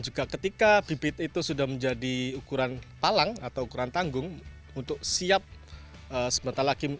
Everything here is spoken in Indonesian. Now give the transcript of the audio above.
juga ketika bibit itu sudah menjadi ukuran palang atau ukuran tanggung untuk siap sebentar lagi